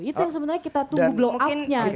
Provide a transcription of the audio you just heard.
itu yang sebenarnya kita tunggu blow up nya gitu